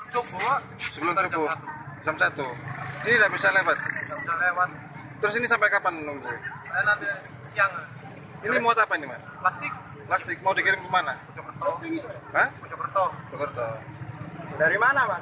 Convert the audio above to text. sebelumnya penumpukan kendaraan pun terjadi